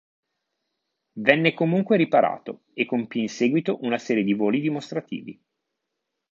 Venne comunque riparato, e compì in seguito una serie di voli dimostrativi.